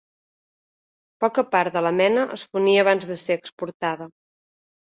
Poca part de la mena es fonia abans de ser exportada.